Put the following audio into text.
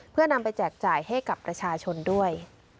เพื่อนำไปแจกจ่ายให้กับประชาชนด้วย